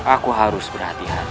aku harus berhati hati